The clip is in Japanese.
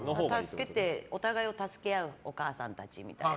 お互いを助け合うお母さんたちみたいな。